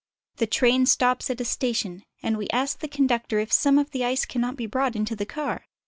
The train stops at a station, and we ask the conductor if some of the ice cannot be brought into the car.